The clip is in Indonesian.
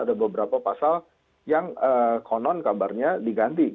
ada beberapa pasal yang konon kabarnya diganti